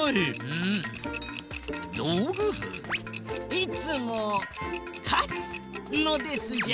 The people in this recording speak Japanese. いつもかつのですじゃ！